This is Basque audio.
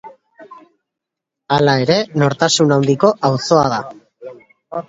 Hala ere, nortasun handiko auzoa da.